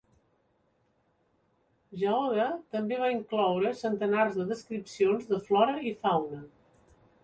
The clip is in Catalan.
Jahoda també va incloure centenars de descripcions de flora i fauna.